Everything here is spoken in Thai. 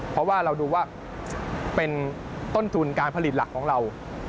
เพราะว่าเราดูว่าเป็นต้นทุนการผลิตหลักของเรา